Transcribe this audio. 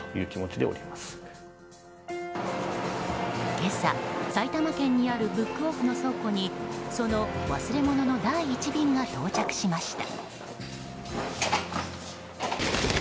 今朝、埼玉県にあるブックオフの倉庫にその忘れ物の第１便が到着しました。